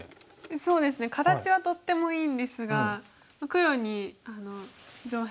そうですね形はとってもいいんですが黒に上辺。